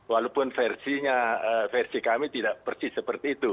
walaupun versi kami tidak persis seperti itu